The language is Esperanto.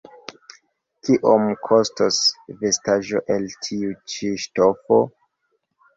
Kiom kostos vestaĵo el tiu ĉi ŝtofo?